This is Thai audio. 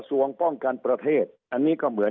สุดท้ายก็ต้านไม่อยู่